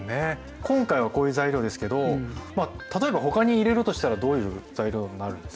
今回はこういう材料ですけど例えば他に入れるとしたらどういう材料になるんですか？